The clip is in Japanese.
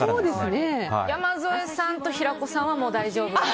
山添さんと平子さんはもう大丈夫です。